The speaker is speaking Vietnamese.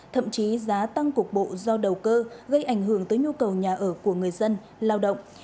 thậm chí giá tăng cục bộ do đầu cơ gây ảnh hưởng tới nhu cầu nhà ở của người dân lao động